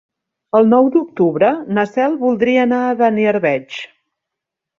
El nou d'octubre na Cel voldria anar a Beniarbeig.